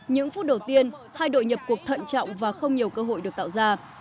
những phút đầu tiên hai đội nhập cuộc thận trọng và không nhiều cơ hội được tạo ra